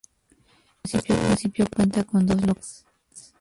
Este municipio cuenta con dos localidades.